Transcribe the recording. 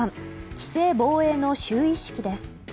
棋聖防衛の就位式です。